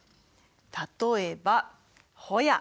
例えばホヤ。